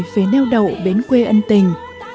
phế neo đậu bến quê ân tình